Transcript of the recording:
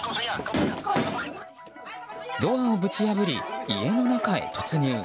ドアをぶち破り、家の中へ突入。